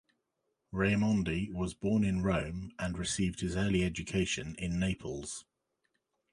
Raimondi was born in Rome, and received his early education in Naples.